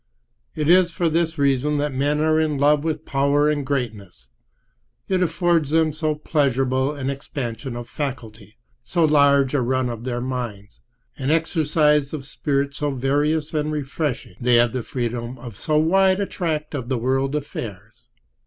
It is for this reason that men are in love with power and greatness: it affords them so pleasurable an expansion of faculty, so large a run for their minds, an exercise of spirit so various and refreshing; they have the freedom of so wide a tract of the world of affairs.